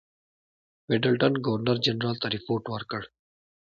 میډلټن ګورنرجنرال ته رپوټ ورکړ.